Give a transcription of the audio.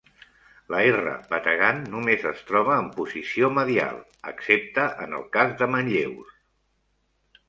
La "r" bategant només es troba en posició medial, excepte en el cas de manlleus.